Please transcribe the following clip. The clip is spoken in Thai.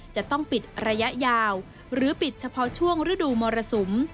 จะต้องปิดระยะยาวหรือปิดเฉพาะช่วงฤดูมรสุม